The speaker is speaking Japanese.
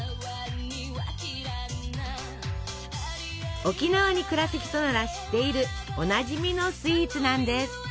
沖縄に暮らす人なら知っているおなじみのスイーツなんです。